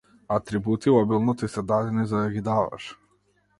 Атрибути обилно ти се дадени за да ги даваш!